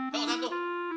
bangun tuhan tuh